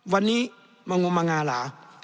วันนี้มงมงาหลา